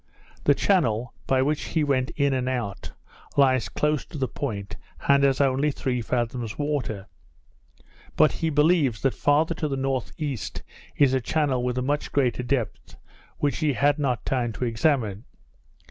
The channel, by which he went in and out, lies close to the point, and has only three fathoms water; but he believes, that farther to the N.E. is a channel with a much greater depth, which he had not time to examine.